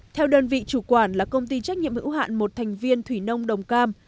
theo đơn vị chủ quản là công ty trách nhiệm hữu hạn một thành viên thủy nông đồng cam